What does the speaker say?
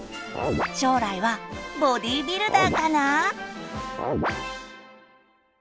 将来はボディービルダーかな？